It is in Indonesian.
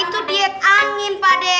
itu diet angin pak de